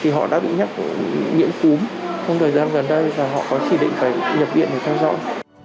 thì họ đã bị nhất nhiễm cúm trong thời gian gần đây và họ có chỉ định phải nhập viện để theo dõi